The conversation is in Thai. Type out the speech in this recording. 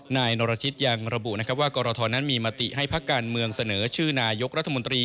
นายนรชิตยังระบุนะครับว่ากรทนั้นมีมติให้พักการเมืองเสนอชื่อนายกรัฐมนตรี